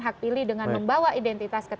hak pilih dengan membawa identitas ke tps